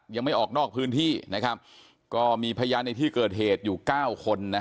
ยังไม่ออกนอกพื้นที่นะครับก็มีพยานในที่เกิดเหตุอยู่๙คน